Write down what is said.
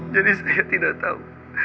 jadi saya tidak tahu